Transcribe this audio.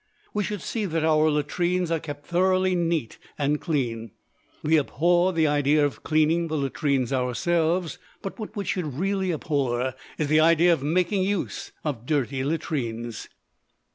We should see that our latrines are kept thoroughly neat and clean. We abhor the idea of our cleaning the latrines ourselves, but what we should really abhor is the idea of making use of dirty latrines.